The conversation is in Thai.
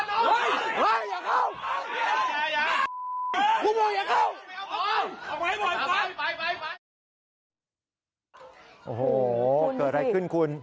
โอ้โหเกิดอะไรขึ้นคุณ